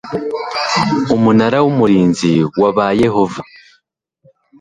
Umunara w Umurinzi wa ba yehova